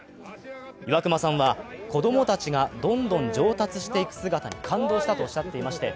岩隈さんは、子供たちがどんどん上達する姿に感動したとおっしゃっていました。